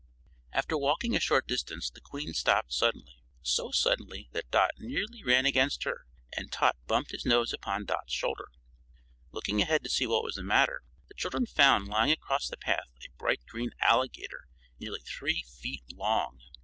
After walking a short distance the Queen stopped suddenly so suddenly that Dot nearly ran against her and Tot bumped his nose upon Dot's shoulder. Looking ahead to see what was the matter, the children found lying across the path a bright green Alligator nearly three feet long.